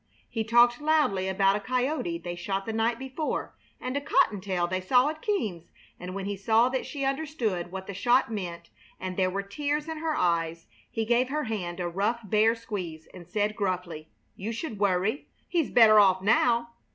He talked loudly about a coyote they shot the night before, and a cottontail they saw at Keams, and when he saw that she understood what the shot meant, and there were tears in her eyes, he gave her hand a rough, bear squeeze and said, gruffly: "You should worry! He's better off now!"